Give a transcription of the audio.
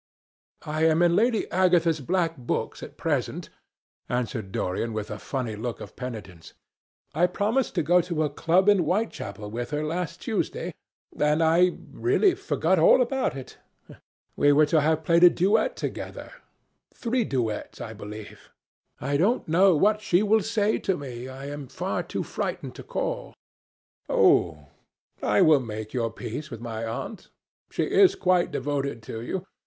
"I am in Lady Agatha's black books at present," answered Dorian with a funny look of penitence. "I promised to go to a club in Whitechapel with her last Tuesday, and I really forgot all about it. We were to have played a duet together—three duets, I believe. I don't know what she will say to me. I am far too frightened to call." "Oh, I will make your peace with my aunt. She is quite devoted to you.